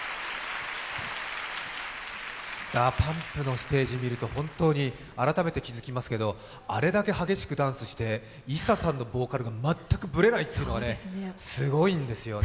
ＤＡＰＵＭＰのステージを見ると、改めて気づきますけれども、あれだけ激しくダンスしてＩＳＳＡさんのボーカルが全くぶれないというのがすごいんですよね。